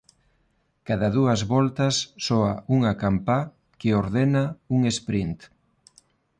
Cada dúas voltas soa unha campá que ordena un sprint.